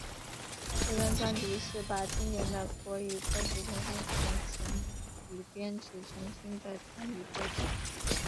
这张专辑是把经典的国语歌曲重新填词与编曲成新的台语歌曲。